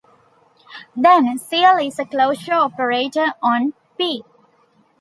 Then cl is a closure operator on "P".